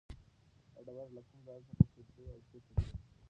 دا ډبره له کوم ځای څخه پیل شوې او چیرته درومي؟